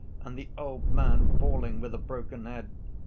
and the old man falling with a broken head.